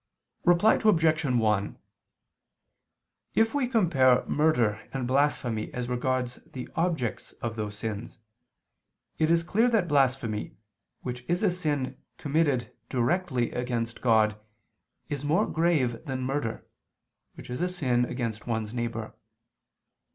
Reply Obj. 1: If we compare murder and blasphemy as regards the objects of those sins, it is clear that blasphemy, which is a sin committed directly against God, is more grave than murder, which is a sin against one's neighbor.